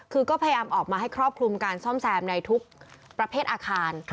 คือก็พยายามออกมาให้ครอบคลุมการซ่อมแซมในทุกประเภทอาคาร